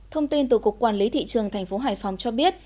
thông tin từ cục quản lý thị trường tp hải phòng cho biết